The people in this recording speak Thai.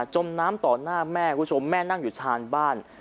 มน้ำต่อหน้าแม่คุณผู้ชมแม่นั่งอยู่ชานบ้าน